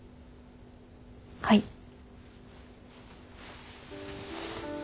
はい。